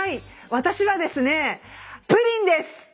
私はですねプリンです。